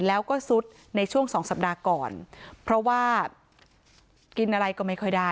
แล้วก็ซุดในช่วงสองสัปดาห์ก่อนเพราะว่ากินอะไรก็ไม่ค่อยได้